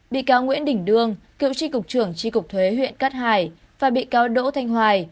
bị cáo nguyễn đình đương cựu tri cục trưởng tri cục thuế huyện cát hải và bị cáo đỗ thanh hoài